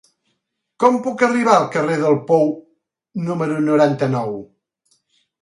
Com puc arribar al carrer del Pou número noranta-nou?